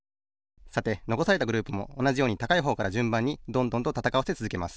さてのこされたグループもおなじように高いほうからじゅんばんにどんどんとたたかわせつづけます。